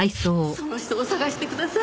その人を捜してください。